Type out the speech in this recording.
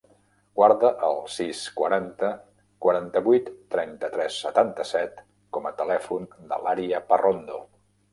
Guarda el sis, quaranta, quaranta-vuit, trenta-tres, setanta-set com a telèfon de l'Aria Parrondo.